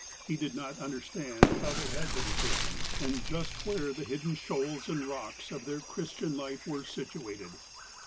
He did not understand how they had to be taken, and just where the hidden shoals and rocks of their Christian life were situated.